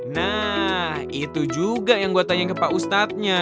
nah itu juga yang gue tanya ke pak ustadznya